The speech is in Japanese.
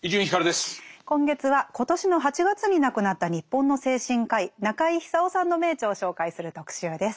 今月は今年の８月に亡くなった日本の精神科医中井久夫さんの名著を紹介する特集です。